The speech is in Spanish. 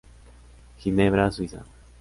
Ginebra, Suiza.